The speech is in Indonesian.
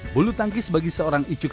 saya pasti pengen kembali rumah